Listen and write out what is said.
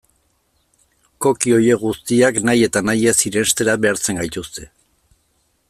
Cookie horiek guztiak nahi eta nahi ez irenstera behartzen gaituzte.